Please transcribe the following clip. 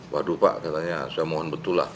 waduh pak katanya saya mohon betul lah